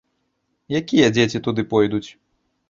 Якія дзеці туды пойдуць?